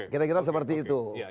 kira kira seperti itu